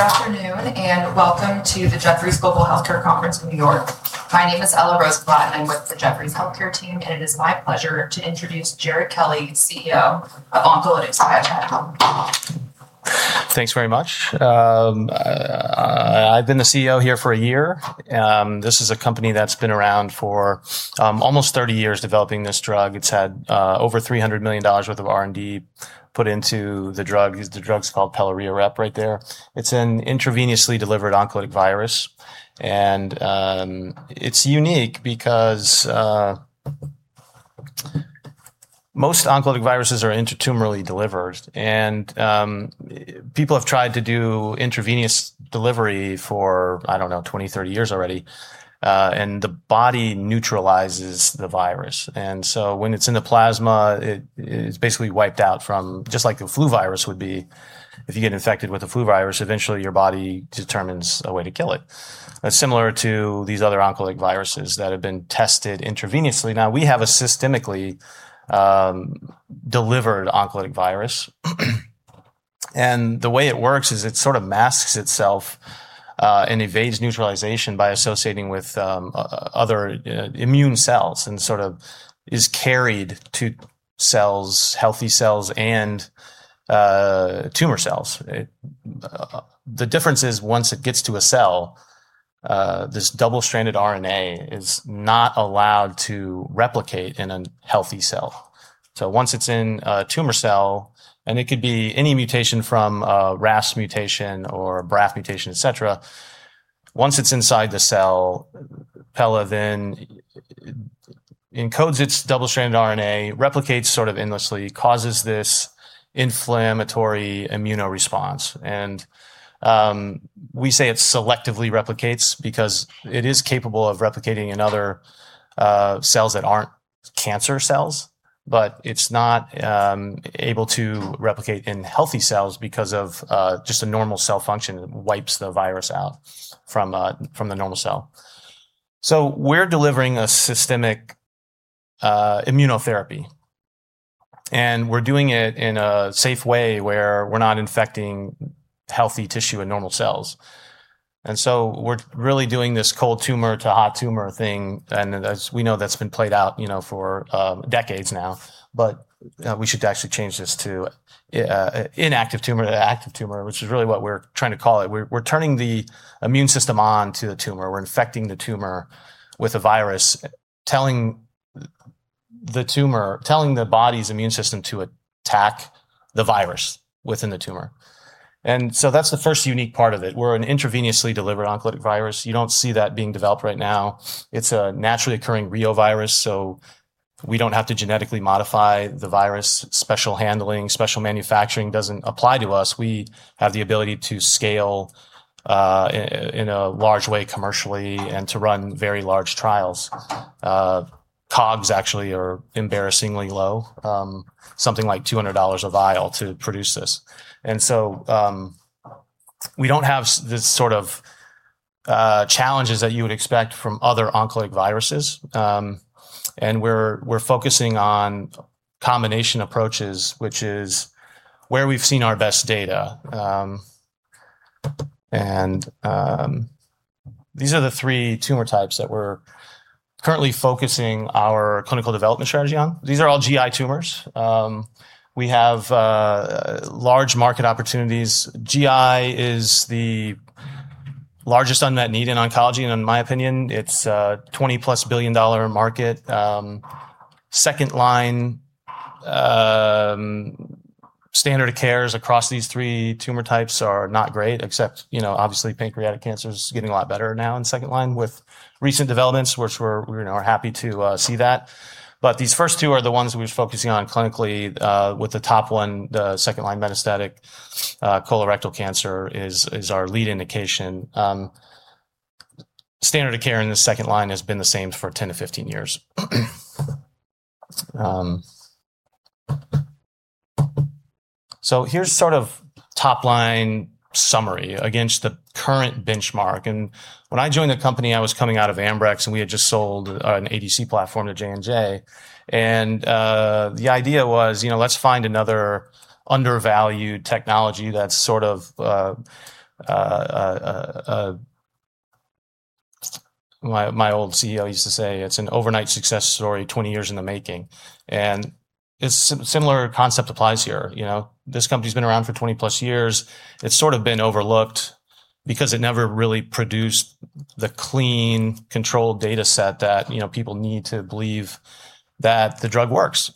Good afternoon. Welcome to the Jefferies Global Healthcare Conference in New York. My name is Ella Rosenblatt, and I'm with the Jefferies Healthcare Team. It is my pleasure to introduce Jared Kelly, CEO of Oncolytics Biotech. Thanks very much. I've been the CEO here for a year. This is a company that's been around for almost 30 years developing this drug. It's had over 300 million dollars worth of R&D put into the drug. The drug's called pelareorep, right there. It's an intravenously delivered oncolytic virus. It's unique because most oncolytic viruses are intratumorally delivered. People have tried to do intravenous delivery for, I don't know, 20, 30 years already, and the body neutralizes the virus. When it's in the plasma, it's basically wiped out, just like the flu virus would be if you get infected with the flu virus, eventually your body determines a way to kill it. Similar to these other oncolytic viruses that have been tested intravenously. Now, we have a systemically delivered oncolytic virus. The way it works is it sort of masks itself, and evades neutralization by associating with other immune cells and sort of is carried to cells, healthy cells, and tumor cells. The difference is once it gets to a cell, this double-stranded RNA is not allowed to replicate in a healthy cell. Once it's in a tumor cell, and it could be any mutation from a RAS mutation or a BRAF mutation, et cetera, once it's inside the cell, pela then encodes its double-stranded RNA, replicates sort of endlessly, causes this inflammatory immunoresponse. We say it selectively replicates because it is capable of replicating in other cells that aren't cancer cells, but it's not able to replicate in healthy cells because of just a normal cell function that wipes the virus out from the normal cell. We're delivering a systemic immunotherapy. We're doing it in a safe way where we're not infecting healthy tissue and normal cells. We're really doing this cold tumor to hot tumor thing. We should actually change this to inactive tumor to active tumor, which is really what we're trying to call it. We're turning the immune system on to the tumor. We're infecting the tumor with a virus, telling the body's immune system to attack the virus within the tumor. That's the first unique part of it. We're an intravenously delivered oncolytic virus. You don't see that being developed right now. It's a naturally occurring reovirus, so we don't have to genetically modify the virus. Special handling, special manufacturing doesn't apply to us. We have the ability to scale in a large way commercially and to run very large trials. COGS actually are embarrassingly low, something like 200 dollars a vial to produce this. We don't have the sort of challenges that you would expect from other oncolytic viruses. We're focusing on combination approaches, which is where we've seen our best data. These are the three tumor types that we're currently focusing our clinical development strategy on. These are all GI tumors. We have large market opportunities. GI is the largest unmet need in oncology, and in my opinion, it's a 20-plus billion dollar market. Second line standard of cares across these three tumor types are not great, except obviously pancreatic cancer is getting a lot better now in second line with recent developments, which we're happy to see that. These first two are the ones we're focusing on clinically, with the top one, the second-line metastatic colorectal cancer is our lead indication. Standard of care in the second-line has been the same for 10-15 years. Here's sort of top-line summary against the current benchmark. When I joined the company, I was coming out of Ambrx, and we had just sold an ADC platform to J&J. The idea was, let's find another undervalued technology that's sort of, my old CEO used to say it's an overnight success story, 20 years in the making. A similar concept applies here. This company's been around for 20-plus years. It's sort of been overlooked because it never really produced the clean, controlled data set that people need to believe that the drug works.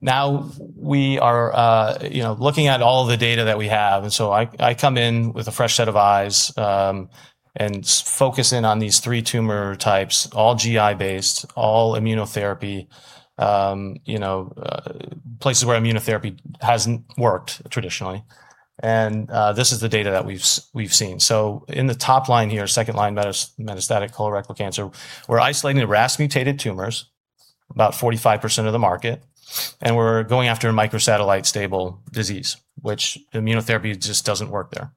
Now we are looking at all the data that we have. I come in with a fresh set of eyes, and focus in on these three tumor types, all GI based, all immunotherapy, places where immunotherapy hasn't worked traditionally. This is the data that we've seen. In the top line here, second line metastatic colorectal cancer, we're isolating the RAS mutated tumors, about 45% of the market, and we're going after a microsatellite stable disease, which immunotherapy just doesn't work there.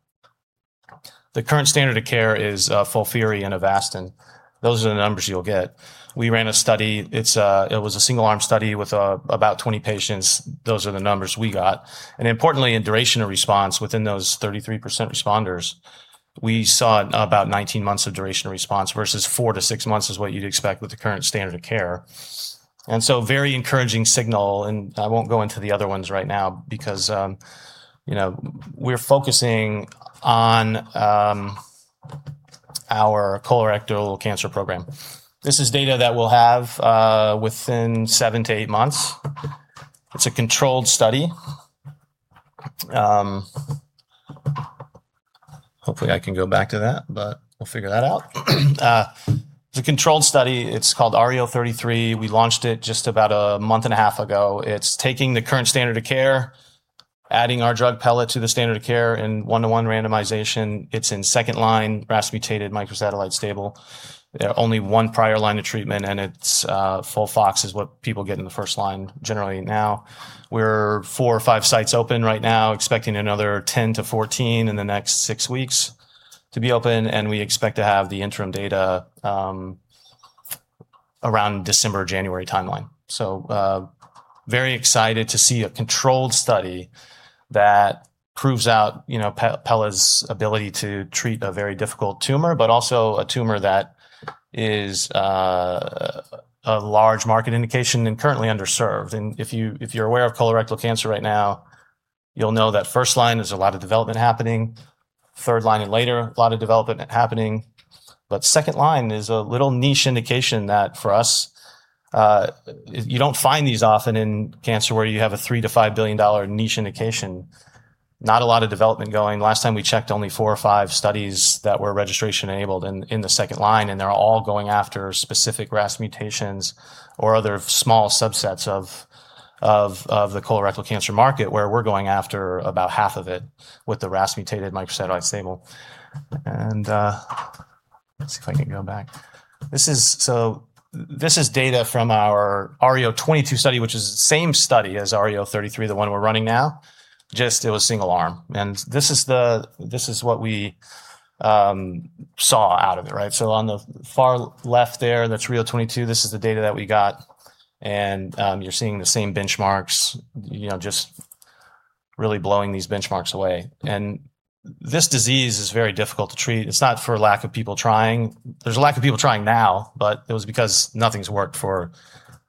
The current standard of care is FOLFIRI and Avastin. Those are the numbers you'll get. We ran a study. It was a single-arm study with about 20 patients. Those are the numbers we got. Importantly, in duration of response within those 33% responders, we saw about 19 months of duration of response versus four to six months is what you'd expect with the current standard of care. Very encouraging signal. I won't go into the other ones right now because we're focusing on our colorectal cancer program. This is data that we'll have within seven to eight months. It's a controlled study. Hopefully, I can go back to that, but we'll figure that out. It's a controlled study. It's called REO 033. We launched it just about a month and a half ago. It's taking the current standard of care, adding our drug pela to the standard of care in 1:1 randomization. It's in second-line RAS mutated microsatellite stable. Only one prior line of treatment, and it's FOLFOX is what people get in the first line generally now. We're four or five sites open right now, expecting another 10-14 sites in the next six weeks to be open. We expect to have the interim data around December, January timeline. Very excited to see a controlled study that proves out pela's ability to treat a very difficult tumor, but also a tumor that is a large market indication and currently underserved. If you're aware of colorectal cancer right now, you'll know that first line is a lot of development happening, third line and later, a lot of development happening. Second line is a little niche indication that for us, you don't find these often in cancer where you have a 3 to 5 billion niche indication. Not a lot of development going. Last time we checked, only four or five studies that were registration-enabled in the second line, and they're all going after specific RAS mutations or other small subsets of the colorectal cancer market, where we're going after about half of it with the RAS mutated microsatellite stable. Let's see if I can go back. This is data from our REO 022 study, which is the same study as REO 033, the one we're running now. Just it was single arm. This is what we saw out of it. On the far left there, that's REO 022. This is the data that we got, and you're seeing the same benchmarks, just really blowing these benchmarks away. This disease is very difficult to treat. It's not for lack of people trying. There's a lack of people trying now, but it was because nothing's worked for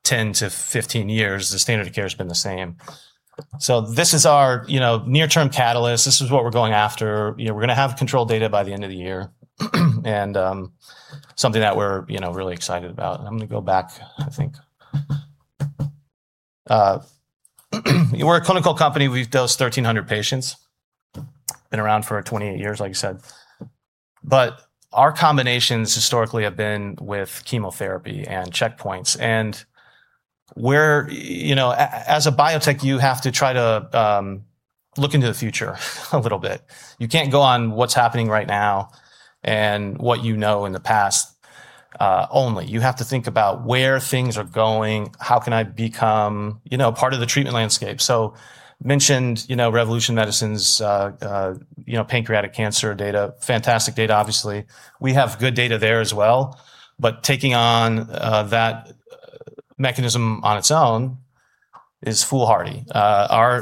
10-15 years. The standard of care has been the same. This is our near-term catalyst. This is what we're going after. We're going to have controlled data by the end of the year and something that we're really excited about. I'm going to go back, I think. We're a clinical company. We've dosed 1,300 patients. Been around for 28 years, like you said. Our combinations historically have been with chemotherapy and checkpoints, and as a biotech, you have to try to look into the future a little bit. You can't go on what's happening right now and what you know in the past only. You have to think about where things are going, how can I become part of the treatment landscape. Mentioned Revolution Medicines' pancreatic cancer data, fantastic data, obviously. We have good data there as well, but taking on that mechanism on its own is foolhardy. Our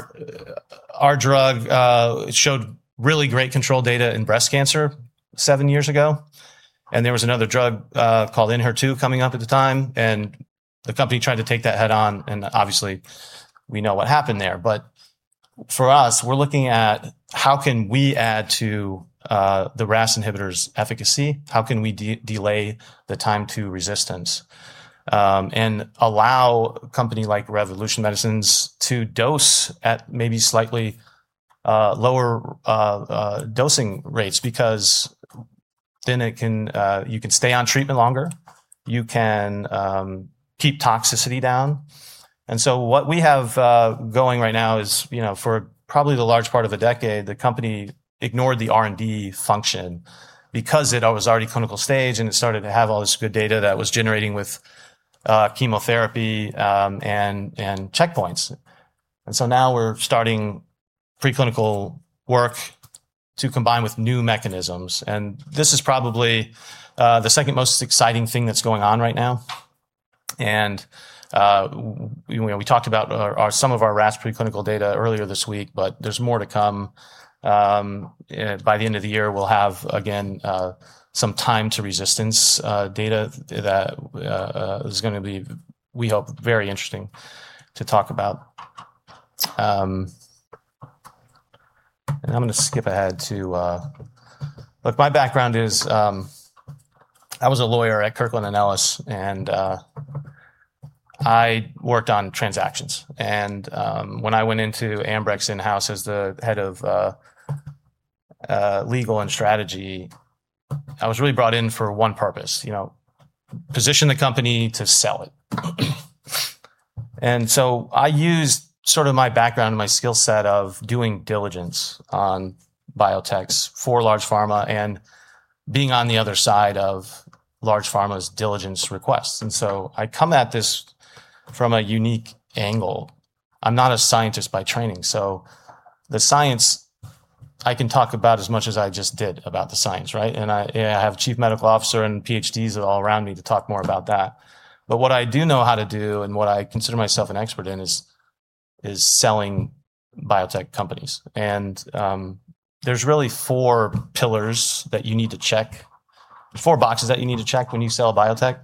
drug showed really great control data in breast cancer seven years ago, there was another drug called ENHERTU coming up at the time, and the company tried to take that head on, and obviously, we know what happened there. For us, we're looking at how can we add to the RAS inhibitor's efficacy. How can we delay the time to resistance and allow a company like Revolution Medicines to dose at maybe slightly lower dosing rates because then you can stay on treatment longer. You can keep toxicity down. What we have going right now is, for probably the large part of a decade, the company ignored the R&D function because it was already clinical stage, and it started to have all this good data that was generating with chemotherapy and checkpoints. Now we're starting preclinical work to combine with new mechanisms, and this is probably the second most exciting thing that's going on right now. We talked about some of our RAS preclinical data earlier this week, but there's more to come. By the end of the year, we'll have, again, some time to resistance data that is going to be, we hope, very interesting to talk about. I'm going to skip ahead to. Look, my background is, I was a lawyer at Kirkland & Ellis, and I worked on transactions. When I went into Ambrx in-house as the head of legal and strategy, I was really brought in for one purpose: position the company to sell it. I used sort of my background and my skill set of doing diligence on biotechs for large pharma and being on the other side of large pharma's diligence requests. I come at this from a unique angle. I'm not a scientist by training, so the science I can talk about as much as I just did about the science, right? I have a chief medical officer and PhDs all around me to talk more about that. What I do know how to do, and what I consider myself an expert in, is selling biotech companies. There's really four pillars that you need to check, four boxes that you need to check when you sell a biotech.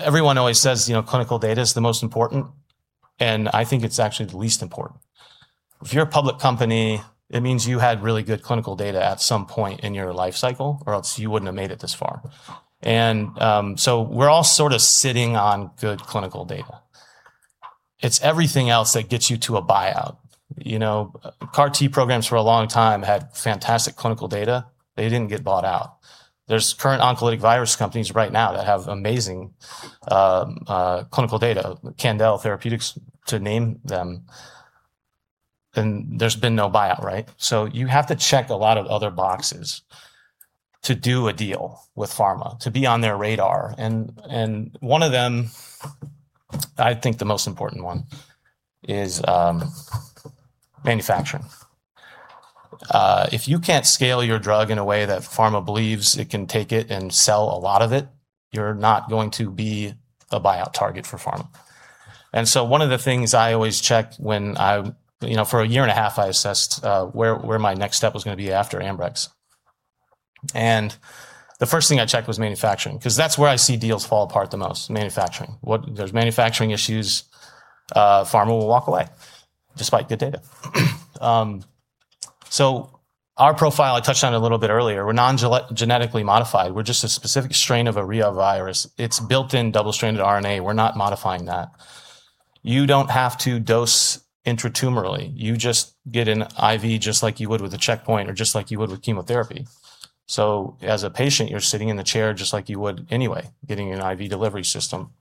Everyone always says, clinical data is the most important, and I think it's actually the least important. If you're a public company, it means you had really good clinical data at some point in your life cycle, or else you wouldn't have made it this far. So we're all sort of sitting on good clinical data. It's everything else that gets you to a buyout. CAR-T programs for a long time had fantastic clinical data. They didn't get bought out. There's current oncolytic virus companies right now that have amazing clinical data, Candel Therapeutics, to name them, and there's been no buyout, right? You have to check a lot of other boxes to do a deal with pharma, to be on their radar. One of them, I think the most important one, is manufacturing. If you can't scale your drug in a way that pharma believes it can take it and sell a lot of it, you're not going to be a buyout target for pharma. One of the things I always check for a year and a half, I assessed where my next step was going to be after Ambrx. The first thing I checked was manufacturing, because that's where I see deals fall apart the most, manufacturing. There's manufacturing issues, pharma will walk away despite good data. Our profile, I touched on it a little bit earlier. We're non-genetically modified. We're just a specific strain of a reovirus. It's built-in double-stranded RNA. We're not modifying that. You don't have to dose intratumorally. You just get an IV, just like you would with a checkpoint or just like you would with chemotherapy. As a patient, you're sitting in the chair just like you would anyway, getting an IV delivery system.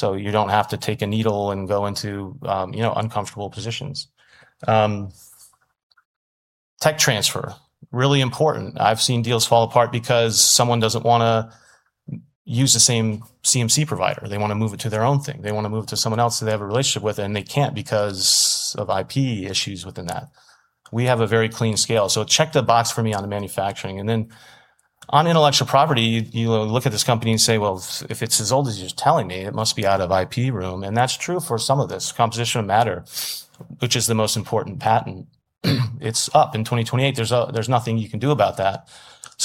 You don't have to take a needle and go into uncomfortable positions. Tech transfer, really important. I've seen deals fall apart because someone doesn't want to use the same CMC provider. They want to move it to their own thing. They want to move to someone else that they have a relationship with, and they can't because of IP issues within that. We have a very clean scale. Check the box for me on the manufacturing. On intellectual property, you look at this company and say, well, if it's as old as you're telling me, it must be out of IP room. That's true for some of this composition of matter, which is the most important patent. It's up in 2028. There's nothing you can do about that.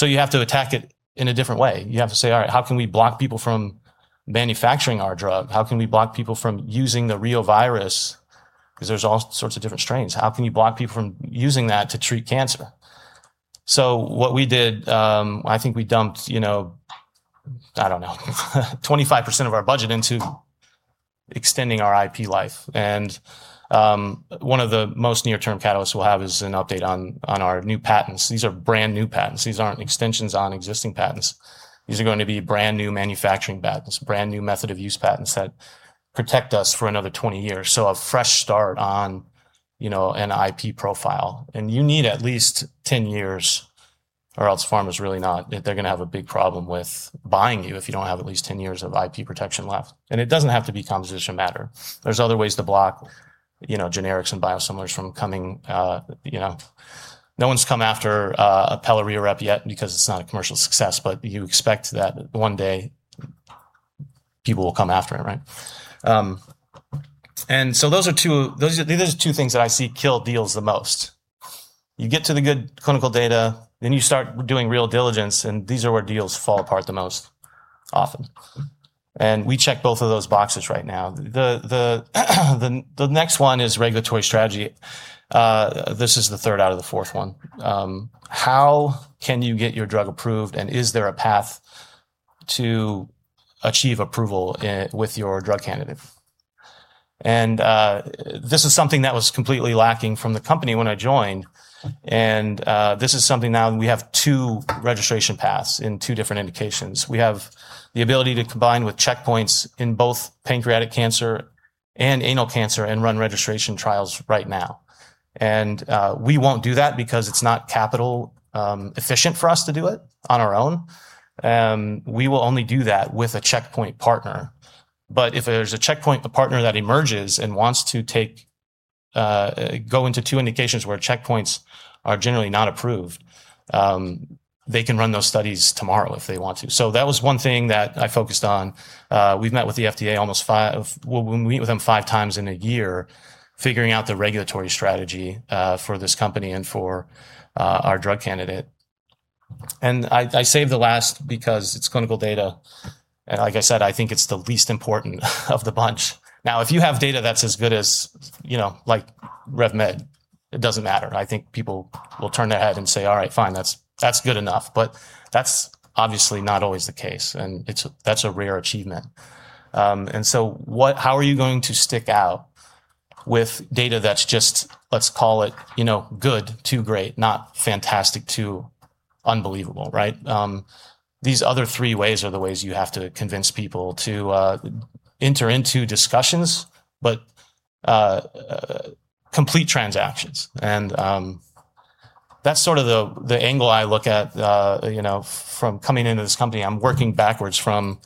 You have to attack it in a different way. You have to say, All right, how can we block people from manufacturing our drug? How can we block people from using the reovirus? There's all sorts of different strains. How can you block people from using that to treat cancer? What we did, I think we dumped, I don't know, 25% of our budget into extending our IP life. One of the most near-term catalysts we'll have is an update on our new patents. These are brand-new patents. These aren't extensions on existing patents. These are going to be brand-new manufacturing patents, brand-new method of use patents that protect us for another 20 years. A fresh start on an IP profile. You need at least 10 years, or else They're going to have a big problem with buying you if you don't have at least 10 years of IP protection left. It doesn't have to be composition of matter. There's other ways to block generics and biosimilars from coming. No one's come after a pelareorep yet because it's not a commercial success, but you expect that one day people will come after it, right? Those are two things that I see kill deals the most. You get to the good clinical data, then you start doing real diligence, and these are where deals fall apart the most often. We check both of those boxes right now. The next one is regulatory strategy. This is the third out of the fourth one. How can you get your drug approved, and is there a path to achieve approval with your drug candidate? This is something that was completely lacking from the company when I joined, and this is something now we have two registration paths in two different indications. We have the ability to combine with checkpoints in both pancreatic cancer and anal cancer and run registration trials right now. We won't do that because it's not capital-efficient for us to do it on our own. We will only do that with a checkpoint partner. If there's a checkpoint partner that emerges and wants to go into two indications where checkpoints are generally not approved, they can run those studies tomorrow if they want to. That was one thing that I focused on. We meet with the FDA five times in a year, figuring out the regulatory strategy for this company and for our drug candidate. I saved the last because it's clinical data, and like I said, I think it's the least important of the bunch. If you have data that's as good as RevMed, it doesn't matter. I think people will turn their head and say, All right, fine. That's good enough. That's obviously not always the case, and that's a rare achievement. How are you going to stick out with data that's just, let's call it, good to great, not fantastic to unbelievable, right? These other three ways are the ways you have to convince people to enter into discussions, but complete transactions. That's sort of the angle I look at from coming into this company. I'm working backwards from,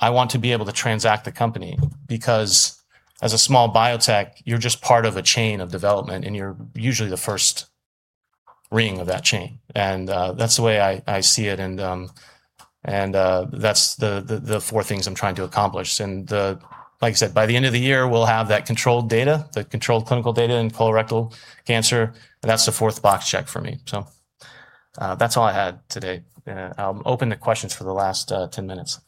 I want to be able to transact the company because as a small biotech, you're just part of a chain of development, and you're usually the first ring of that chain. That's the way I see it, and that's the four things I'm trying to accomplish. Like I said, by the end of the year, we'll have that controlled data, the controlled clinical data in colorectal cancer, and that's the fourth box check for me. That's all I had today. I'll open to questions for the last 10 minutes.